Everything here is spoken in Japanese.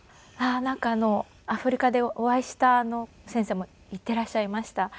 アフリカでお会いした先生も言っていらっしゃいました。